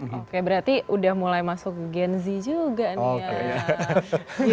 oke berarti udah mulai masuk genzy juga nih ya